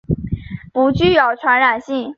不具有传染性。